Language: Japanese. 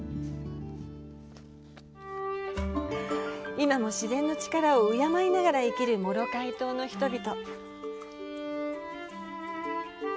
今も自然の力を敬いながら生きるモロカイ島の人々。